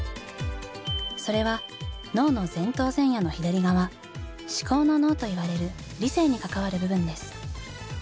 それは脳の前頭前野の左側思考の脳といわれる「理性」に関わる部分です。